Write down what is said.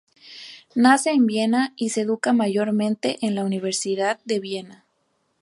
Nace en Viena y se educa mayormente en la Universidad de Viena.